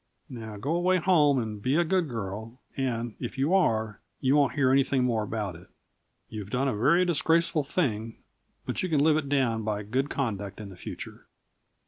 Now, go away home, and be a good girl, and, if you are, you won't hear anything more about it. You have done a very disgraceful thing, but you can live it down by good conduct in the future."